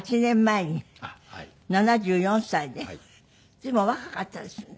随分お若かったですよね。